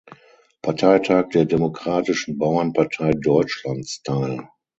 Parteitag der Demokratischen Bauernpartei Deutschlands teil.